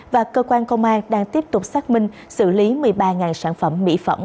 và cơ quan công an đang tiếp tục xác minh xử lý một mươi ba sản phẩm mỹ phẩm